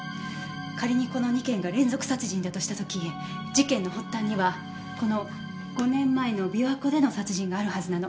仮にこの２件が連続殺人だとした時事件の発端にはこの５年前の琵琶湖での殺人があるはずなの。